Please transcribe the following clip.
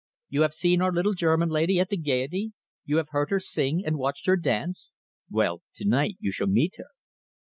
You have seen our little German lady at the Gaiety? You have heard her sing and watch her dance? Well, to night you shall meet her."